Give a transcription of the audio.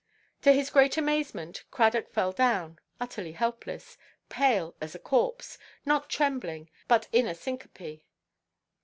To his great amazement Cradock fell down, utterly helpless, pale as a corpse, not trembling, but in a syncope.